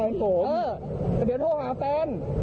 เออจะโทรหาแฟน